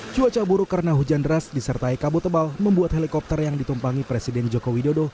cuaca buruk karena hujan deras disertai kabut tebal membuat helikopter yang ditumpangi presiden joko widodo